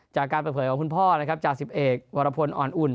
จากการเปิดเผยของคุณพ่อนะครับจากสิบเอกวรพลอ่อนอุ่น